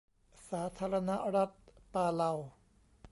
สาธารณรัฐปาเลา